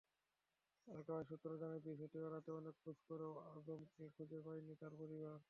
এলাকাবাসী সূত্র জানায়, বৃহস্পতিবার রাতে অনেক খোঁজ করেও আজমকে খুঁজে পায়নি তাঁর পরিবার।